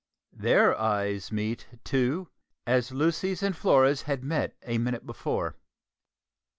Their eyes meet, too, as Lucy's and Flora's had met a minute before.